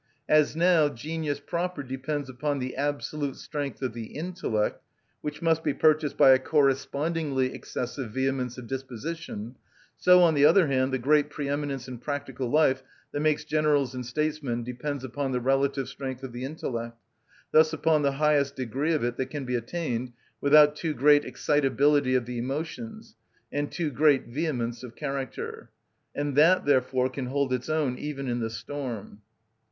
As now genius proper depends upon the absolute strength of the intellect, which must be purchased by a correspondingly excessive vehemence of disposition, so, on the other hand, the great pre‐ eminence in practical life that makes generals and statesmen depends upon the relative strength of the intellect, thus upon the highest degree of it that can be attained without too great excitability of the emotions, and too great vehemence of character, and that therefore can hold its own even in the storm.